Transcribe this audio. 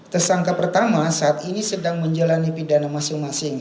tersangka pertama saat ini sedang menjalani pidana masing masing